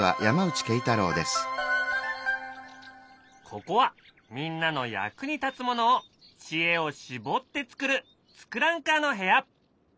ここはみんなの役に立つものを知恵を絞って作る「ツクランカー」の部屋。